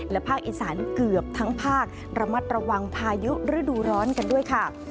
และภาคอีสานเกือบทั้งภาคระมัดระวังพายุฤดูร้อนกันด้วยค่ะ